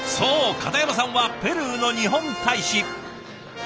片山さんはペルーの日本大使。